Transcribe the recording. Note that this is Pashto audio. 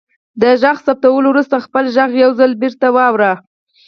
د غږ ثبتولو وروسته خپل غږ یو ځل بیرته واورئ.